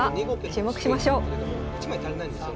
注目しましょう。